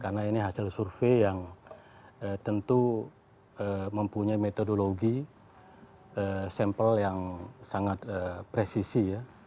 karena ini hasil survei yang tentu mempunyai metodologi sampel yang sangat presisi ya